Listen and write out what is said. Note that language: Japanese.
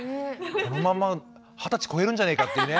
このまま二十歳超えるんじゃねえかっていうね。